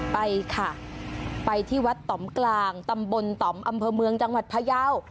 ไปค่ะไปที่วัดต่อมกลางตำบลต่อมอำเภอเมืองจังหวัดพยาว